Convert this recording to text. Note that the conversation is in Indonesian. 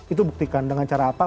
itu buktikan dengan cara apa